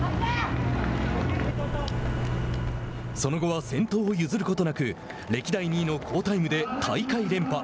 その後は、先頭を譲ることなく歴代２位の好タイムで大会連覇。